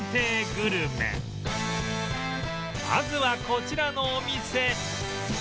まずはこちらのお店